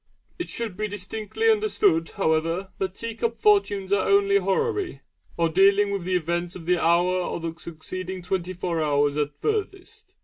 It should be distinctly understood, however, that tea cup fortunes are only horary, or dealing with the events of the hour or the succeeding twenty four hours at furthest.